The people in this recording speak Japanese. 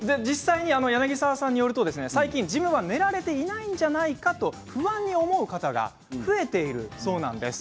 柳沢さんによると最近、自分で寝られていないんじゃないかと不安に思う方が増えているそうなんです。